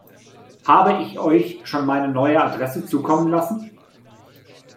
Habe ich euch schon meine neue Adresse zukommen lassen?